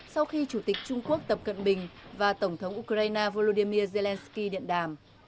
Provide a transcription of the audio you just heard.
sau khi chủ tịch trung quốc tập cận bình và tổng thống ukraine volodymyr zelensky điện đàm